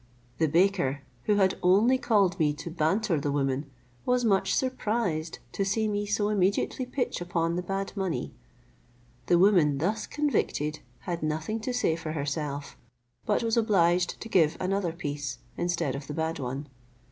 The baker, who had only called me to banter the woman, was much surprised to see me so immediately pitch upon the bad money. The woman thus convicted had nothing to say for herself, but was obliged to give another piece instead of the bad one.